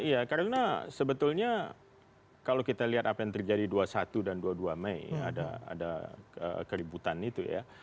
iya karena sebetulnya kalau kita lihat apa yang terjadi dua puluh satu dan dua puluh dua mei ada keributan itu ya